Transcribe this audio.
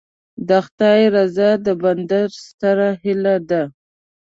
د خدای رضا د بنده ستره هیله ده.